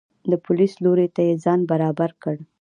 د پولیس لوري ته یې ځان برابر کړ.